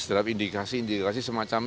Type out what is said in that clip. setelah indikasi indikasi semacam